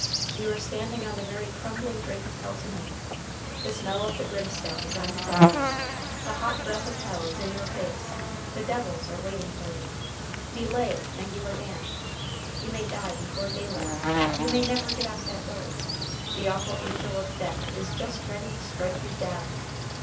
You are standing on the very crumbling brink of hell to night. The smell of the brimstone is on your garments; the hot breath of hell is in your face! The devils are waiting for you! Delay and you are damned! You may die before daylight! You may never get out that door! The awful angel of death is just ready to strike you down!"